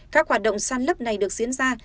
các hoạt động săn lấp này được diễn ra